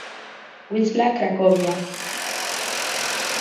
Wisła Cracovia